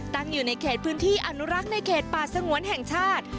ตั้งอยู่ในเขตพื้นที่อนุรักษ์ในเขตป่าสงวนแห่งชาติ